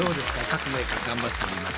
各メーカー頑張っております。